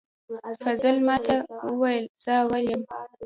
فضل ماته وویل زه اول یم